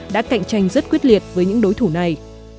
đã cạnh tranh rất quyết liệt với những đối thủ này